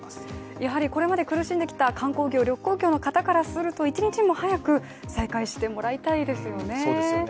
やはりこれまで苦しんできた観光業旅行業の方からすると１日も早く再開してもらいたいですよね